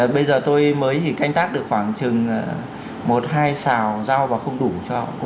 bây giờ tôi mới thì canh tác được khoảng chừng một hai xào rau và không đủ cho